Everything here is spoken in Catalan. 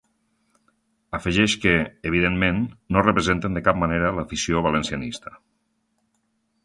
Afegeix que ‘evidentment, no representen de cap manera l’afició valencianista’.